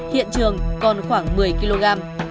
hiện trường còn khoảng một mươi kg